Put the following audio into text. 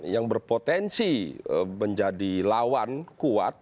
yang berpotensi menjadi lawan kuat